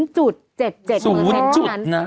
๐จุดนะ